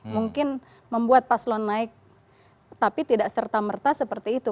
mungkin membuat paslon naik tapi tidak serta merta seperti itu